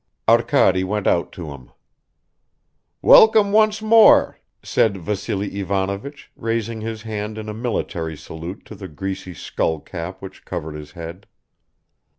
Arkady went out to him. "Welcome once more!" said Vassily Ivanovich, raising his hand in a military salute to the greasy skullcap which covered his head.